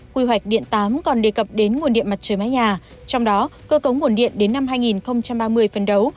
quy hoạch điện tám còn đề cập đến nguồn điện mặt trời mái nhà trong đó cơ cống nguồn điện đến năm hai nghìn ba mươi phân đấu